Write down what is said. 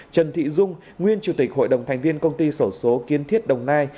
trần thị dung nguyên chủ tịch hội đồng thành viên công ty sổ số kiến thiết đồng nai